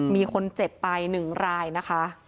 มีคนเจ็บไปหนึ่งรายนะคะ